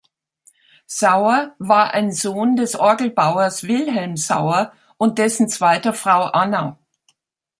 Sauer war ein Sohn des Orgelbauers Wilhelm Sauer und dessen zweiter Frau Anna.